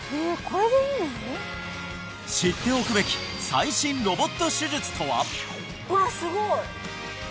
知っておくべき最新ロボット手術とは！？